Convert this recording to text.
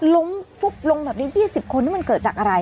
ล้มฟุบลงแบบนี้๒๐คนนี่มันเกิดจากอะไร